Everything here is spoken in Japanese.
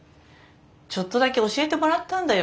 ちょっとだけ教えてもらったんだよ